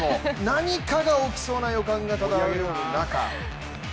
何かが起きそうな予感が漂う中